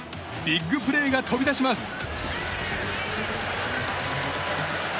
ビッグプレーが飛び出します。